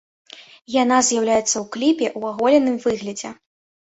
Яна з'яўляецца ў кліпе ў аголеным выглядзе.